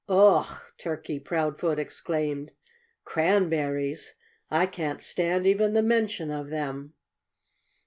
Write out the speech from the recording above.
"Ugh!" Turkey Proudfoot exclaimed. "Cranberries! I can't stand even the mention of them."